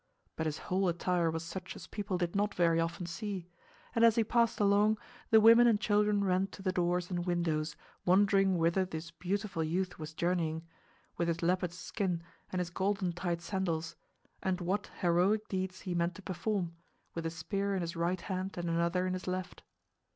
But his whole attire was such as people did not very often see; and as he passed along, the women and children ran to the doors and windows, wondering whither this beautiful youth was journeying, with his leopard's skin and his golden tied sandals, and what heroic deeds he meant to perform, with a spear in his right hand and another in his left.